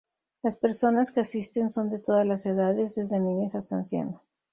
Las personas que asisten son de todas las edades, desde niños hasta ancianos.